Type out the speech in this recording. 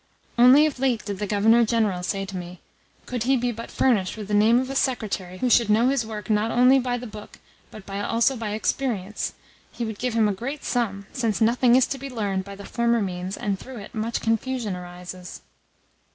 Only of late did the Governor General say to me that, could he but be furnished with the name of a secretary who should know his work not only by the book but also by experience, he would give him a great sum, since nothing is to be learned by the former means, and, through it, much confusion arises."